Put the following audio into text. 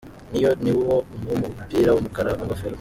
Ne- Yo ni uwo w'umupira w'umukara w'ingofero.